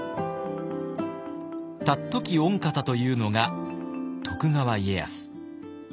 「尊き御方」というのが徳川家康。